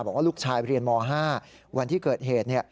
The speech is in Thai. บอกว่าลูกชายเรียนม๕วันที่เกิดเหตุ